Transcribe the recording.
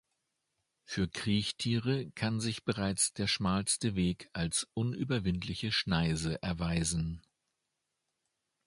Für Kriechtiere kann sich bereits der schmalste Weg als unüberwindliche Schneise erweisen.